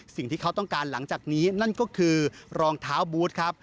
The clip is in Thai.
สิ่งที่เขาต้องการหลังจากนี้นั่นก็คือรองเท้าบูธครับ